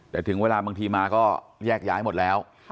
แต่ถึงเวลาบางทีมาก็แยกย้ายหมดแล้ว